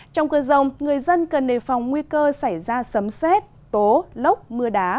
trong cơn rông người dân cần đề phòng nguy cơ xảy ra sấm xét tố lốc mưa đá